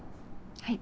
はい。